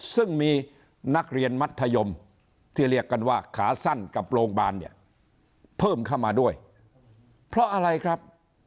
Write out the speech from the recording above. ซึ่งมีนักเรียนมัธยมที่เรียกกันว่าขาสั้นกับโรงพยาบาลเนี่ยเพิ่มเข้ามาด้วยเพราะอะไรครับ